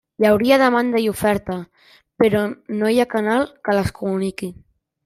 Hi hauria demanda i oferta, però no hi ha canal que les comuniqui.